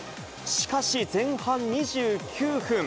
しかし、前半２９分。